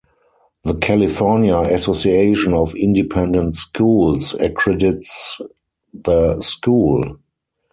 The California Association of Independent Schools accredits the school.